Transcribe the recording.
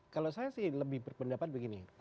kalau saya sih lebih berpendapat begini